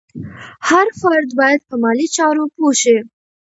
هر فرد باید په مالي چارو پوه شي.